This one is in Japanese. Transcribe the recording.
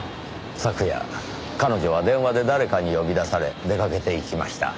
昨夜彼女は電話で誰かに呼び出され出かけていきました。